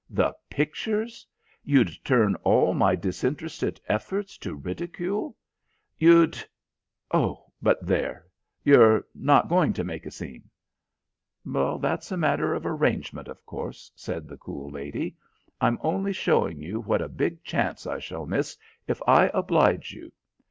The pictures! You'd turn all my disinterested efforts to ridicule. You'd oh, but there! You're not going to make a scene?" "That's a matter of arrangement, of course," said the cool lady. "I'm only showing you what a big chance I shall miss if I oblige you.